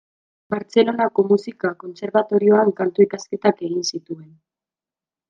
Bartzelonako Musika Kontserbatorioan kantu-ikasketak egin zituen.